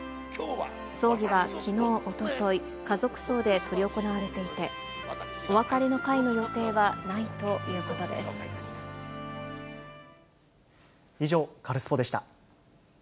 葬儀はきのう、おととい、家族葬で執り行われていて、お別れの会の予定はないというこ以上、カルスポっ！でした。